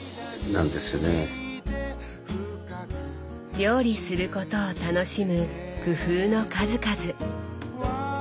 料理することを楽しむ工夫の数々。